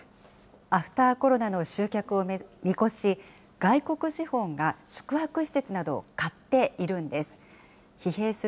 アフターコロナの集客を見越し、外国資本が宿泊施設などを買っているんです。